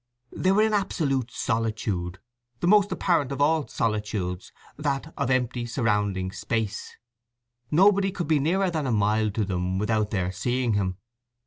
They were in absolute solitude—the most apparent of all solitudes, that of empty surrounding space. Nobody could be nearer than a mile to them without their seeing him.